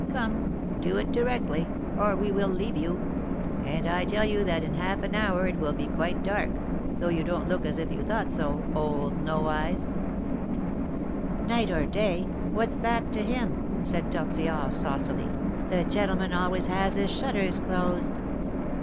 Come, do it directly, or we will leave you; and I tell you that in half an hour it will be quite dark, though you don't look as if you thought so, old 'No Eyes.'" "Night or day, what's that to him?" said Tortillard, saucily. "The gentleman always has his shutters closed."